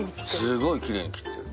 すごいきれいに切ってる。